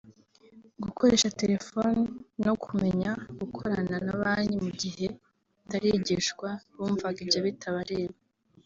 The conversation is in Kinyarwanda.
gukoresha telefone no kumenya gukorana na Banki mu gihe batarigishwa bumvaga ibyo bitabareba